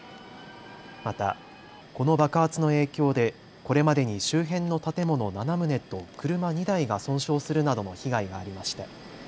またこの爆発の影響でこれまでに周辺の建物７棟と車２台が損傷するなどの被害がありました。